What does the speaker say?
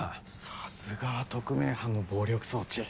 さすがは特命班の暴力装置。